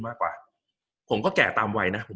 กับการสตรีมเมอร์หรือการทำอะไรอย่างเงี้ย